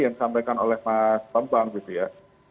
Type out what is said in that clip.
yang disampaikan oleh mas bambang gitu ya